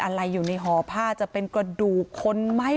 อะไรอยู่ในห่อผ้าจะเป็นกระดูกคนไหม